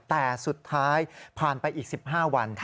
แต่สุดท้ายผ่านไปอีก๑๕วัน